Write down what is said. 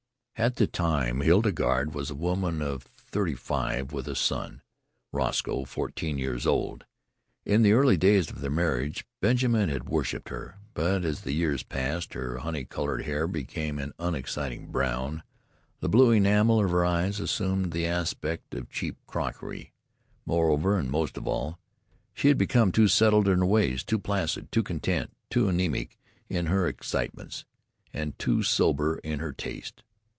At that time Hildegarde was a woman of thirty five, with a son, Roscoe, fourteen years old. In the early days of their marriage Benjamin had worshipped her. But, as the years passed, her honey coloured hair became an unexciting brown, the blue enamel of her eyes assumed the aspect of cheap crockery moreover, and, most of all, she had become too settled in her ways, too placid, too content, too anaemic in her excitements, and too sober in her taste.